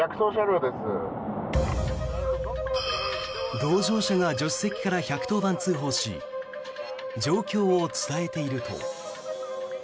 同乗者が助手席から１１０番通報し状況を伝えていると。